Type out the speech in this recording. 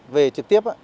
về trực tiếp